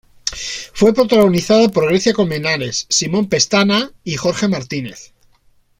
Fue protagonizada por Grecia Colmenares, Simón Pestana y Jorge Martínez.